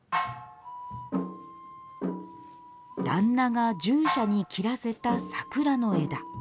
旦那が従者に切らせた桜の枝。